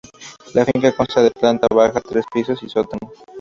La finca consta de planta baja, tres pisos y sótano.